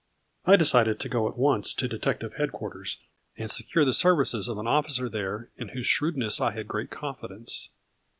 I decided to go at once to detective head quarters and secure the services of an officer there in whose shrewdness I had great confi dence.